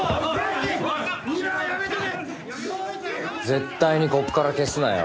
絶対にこっから消すなよ。